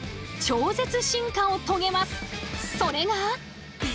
それが。